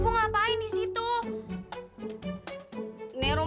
nah sini sini